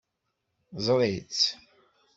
Ẓeṛ-itt.